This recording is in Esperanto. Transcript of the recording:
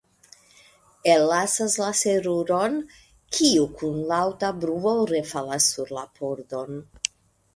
Ellasas la seruron, kiu kun laŭta bruo refalas sur la pordon.